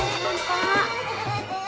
aku udah lihat dulu pak